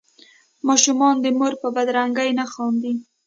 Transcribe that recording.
ماشومان د مور په بدرنګۍ نه خاندي.